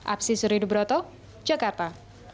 apsi suri dubroto jakarta